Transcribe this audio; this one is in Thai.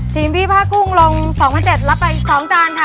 ทีมพี่ผ้ากุ้งลง๒๗๐๐บาทรับไป๒จานค่ะ